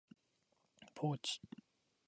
ポーチ